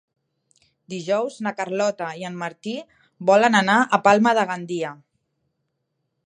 Dijous na Carlota i en Martí volen anar a Palma de Gandia.